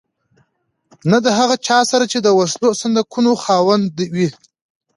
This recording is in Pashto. نه د هغه چا سره چې د وسلو صندوقونو خاوند وي.